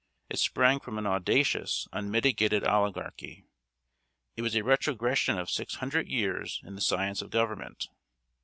It sprung from an audacious, unmitigated oligarchy. It was a retrogression of six hundred years in the science of government.